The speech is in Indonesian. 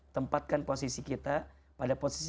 tempatkan posisi kita pada posisi